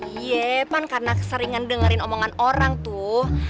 ye pan karena keseringan dengerin omongan orang tuh